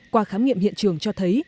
qua khám nghiệm hiện trường cho thấy